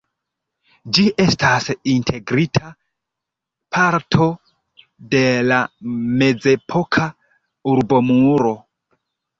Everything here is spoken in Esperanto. Ĝi estas integrita parto de la mezepoka urbomuro.